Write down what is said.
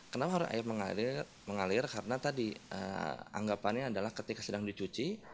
kenapa harus air mengalir karena tadi anggapannya adalah ketika sedang dicuci